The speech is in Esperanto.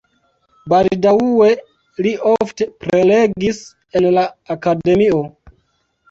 Baldaŭe li ofte prelegis en la akademio.